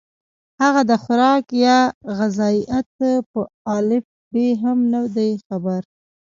هغه د خوراک يا غذائيت پۀ الف ب هم نۀ دي خبر